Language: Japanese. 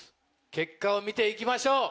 結果を見て行きましょう！